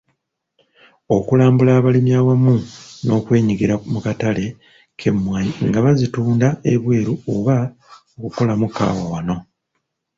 Okulambula abalimi awamu n’okwenyigira mu katale k’emmwanyi nga bazitunda ebweru oba okukolamu kkaawa wano.